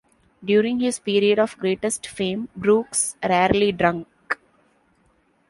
During his period of greatest fame, Brooks rarely drank.